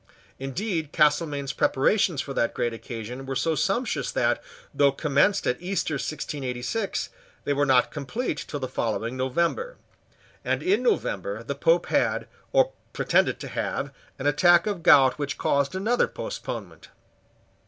Indeed Castelmaine's preparations for that great occasion were so sumptuous that, though commenced at Easter 1686, they were not complete till the following November; and in November the Pope had, or pretended to have, an attack of gout which caused another postponement.